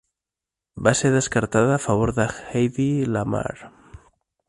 Va ser descartada a favor de Hedy Lamarr.